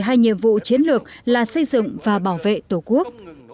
hai nhiệm vụ chiến lược là xây dựng và bảo vệ tổ quốc